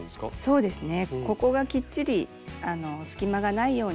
そうですね。